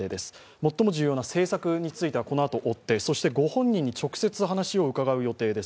最も重要な政策については、このあと追ってそして、ご本人に直接話を伺う予定です。